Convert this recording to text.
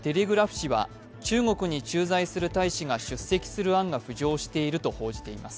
紙は中国に駐在する大使が出席する案が浮上していると報じています。